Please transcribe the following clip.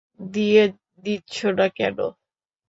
দিয়ে দিচ্ছো না কেন?